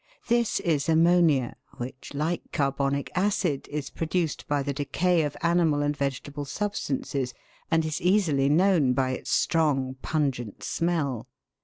This is ammonia, which, like carbonic acid, is produced by the decay of animal and vegetable substances, and is easily known by its strong, pungent smell.